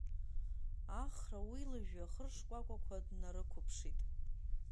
Ахра уи лыжәҩахыр шкәакәақәа днарықәԥшит.